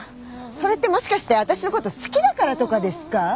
それってもしかして私のこと好きだからとかですか？